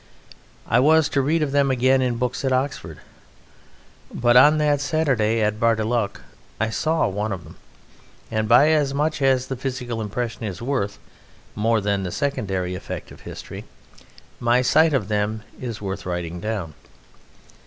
I was to read of them again in books at Oxford. But on that Saturday at Bar le Duc I saw one of them, and by as much as the physical impression is worth more than the secondary effect of history, my sight of them is worth writing down.